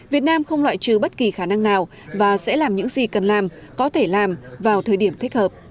việt nam không loại trừ bất kỳ khả năng nào và sẽ làm những gì cần làm có thể làm vào thời điểm thích hợp